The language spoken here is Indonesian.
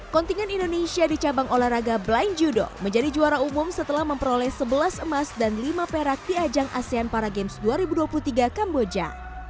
kontingen indonesia di cabang olahraga blind judo menjadi juara umum setelah memperoleh sebelas emas dan lima perak di ajang asean para games dua ribu dua puluh tiga kamboja